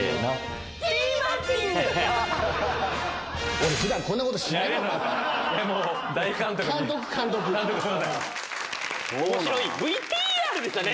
俺ふだん、こんなことしないからね。